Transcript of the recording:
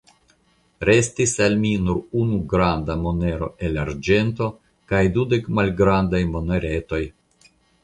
Restis al mi nur unu granda monero el arĝento kaj dudek malgrandaj moneretoj.